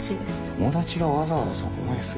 友達がわざわざそこまでする？